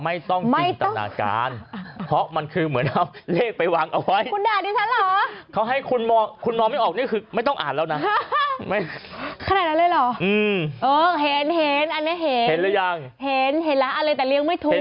ไม่ต้องจินตนาการเพราะมันคือเหมือนเอาเลขไปวางเอาไว้คุณด่าดิฉันเหรอเขาให้คุณมองคุณมองไม่ออกนี่คือไม่ต้องอ่านแล้วน่ะไม่ขนาดนั้นเลยเหรออืมเออเห็นเห็นอันนี้เห็นเห็นแล้วยังเห็นเห็นแล้วอะไรแต่เลี้ยงไม่ถูก